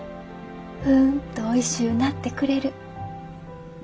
うんとおいしゅうなってくれる。